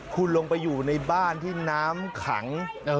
คุณลงไปอยู่ในบ้านที่น้ำขัง